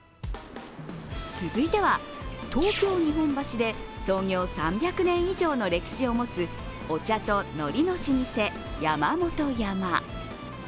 続いては、東京・日本橋で創業３００年以上の歴史を持つお茶とのりの老舗、山本山。